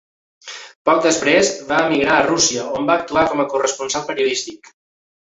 Poc després, va emigrar a Rússia on va actuar com a corresponsal periodístic.